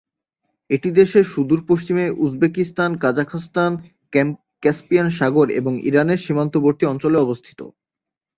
এটি দেশের সুদূর পশ্চিমে উজবেকিস্তান, কাজাখস্তান, ক্যাস্পিয়ান সাগর এবং ইরানের সীমান্তবর্তী অঞ্চলে অবস্থিত।